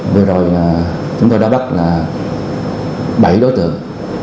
vừa rồi chúng tôi đã bắt bảy đối tượng